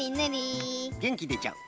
げんきでちゃう。